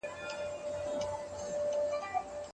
که انسان خپل فکر خلاص کړي نوي شيان به زده کړي.